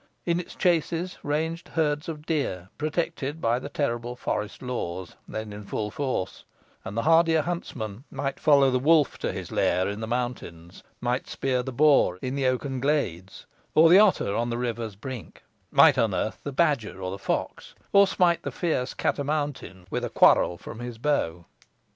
In its chases ranged herds of deer, protected by the terrible forest laws, then in full force: and the hardier huntsman might follow the wolf to his lair in the mountains; might spear the boar in the oaken glades, or the otter on the river's brink; might unearth the badger or the fox, or smite the fierce cat a mountain with a quarrel from his bow.